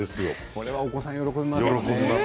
これはお子さん喜びます。